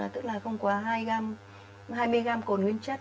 tức là không quá hai mươi gram cồn nguyên chất